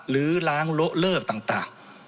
ลื้อล้างละเลิกต่าง